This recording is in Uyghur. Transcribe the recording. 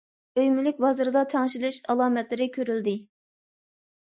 ئۆي مۈلۈك بازىرىدا تەڭشىلىش ئالامەتلىرى كۆرۈلدى.